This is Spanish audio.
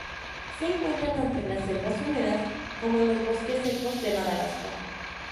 Se encuentra tanto en las selvas húmedas como en los bosques secos de Madagascar